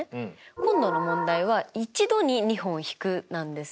今度の問題は「１度に２本引く」なんです。